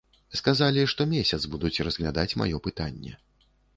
Сказалі, што месяц будуць разглядаць маё пытанне.